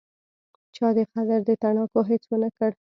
چا دې قدر د تڼاکو هیڅ ونکړ